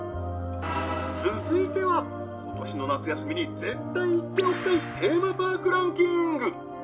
続いては今年の夏休みに絶対行っておきたいテーマパークランキング。